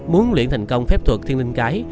muốn luyện thành công phép thuật thiên linh cái